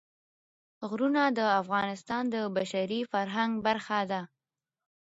غرونه د افغانستان د بشري فرهنګ برخه ده.